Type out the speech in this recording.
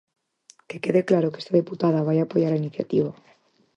Que quede claro que esta deputada vai apoiar a iniciativa.